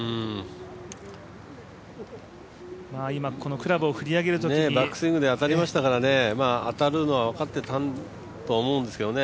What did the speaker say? クラブを振り上げるときにバックスイングで当たりましたからね、当たるのは分かっていたと思うんですけどね、